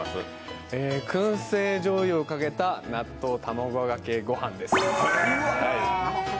くん製じょうゆをかけた納豆卵かけご飯です。